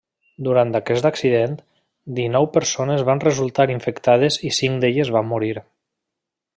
Durant aquest accident, dinou persones van resultar infectades i cinc d'elles van morir.